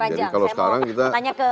jadi kalau sekarang kita